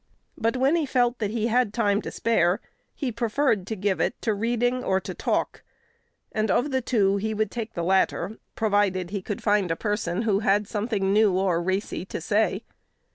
But, when he felt that he had time to spare, he preferred to give it to reading or to "talk;" and, of the two, he would take the latter, provided he could find a person who had something new or racy to say.